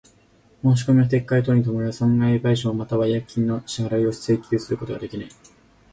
申込みの撤回等に伴う損害賠償又は違約金の支払を請求することができない。